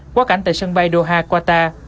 qua cảnh tại sân bay doha qatar